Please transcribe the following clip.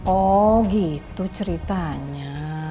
oh gitu ceritanya